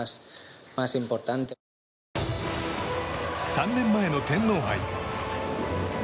３年前の天皇杯。